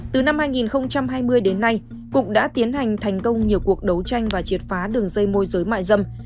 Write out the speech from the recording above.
từ năm hai nghìn hai mươi đến nay cục đã tiến hành thành công nhiều cuộc đấu tranh và triệt phá đường dây môi giới mại dâm